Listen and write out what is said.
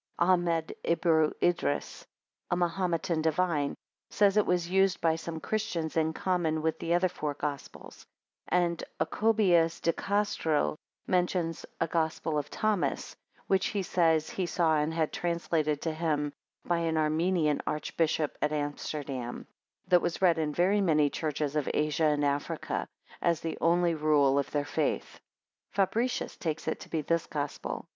Ahmed Ibu Idris, a Mahometan divine, says, it was used by some Christians in common with the other four Gospels; and Ocobius de Castro mentions a Gospel of Thomas, which he says, he saw and had translated to him by an Armenian Archbishop at Amsterdam, that was read in very many churches of Asia and Africa, as the only rule of their faith. Fabricius takes it to be this Gospel.